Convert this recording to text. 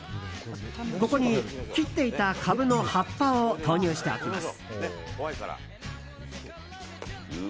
ここに切っていたカブの葉っぱを投入しておきます。